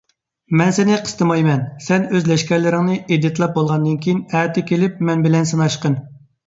مەن سېنى قىستىمايمەن. سەن ئۆز لەشكەرلىرىڭنى ئېدىتلاپ بولغاندىن كېيىن، ئەتە كېلىپ مەن بىلەن سىناشقىن.